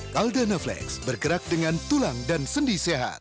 caldana flex bergerak dengan tulang dan sendi sehat